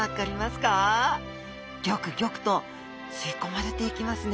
ギョクギョクと吸い込まれていきますね